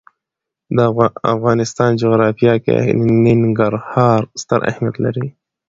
د افغانستان جغرافیه کې ننګرهار ستر اهمیت لري.